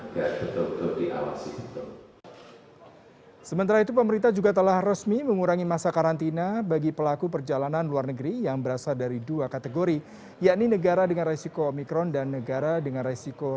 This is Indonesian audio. kenaikan berasal dari kasus impor